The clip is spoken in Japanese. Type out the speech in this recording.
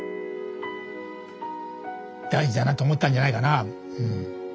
大事だなと思ったんじゃないかな。